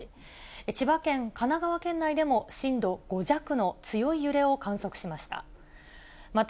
千葉県、神奈川県内でも震度５弱の強い揺れを観測しました。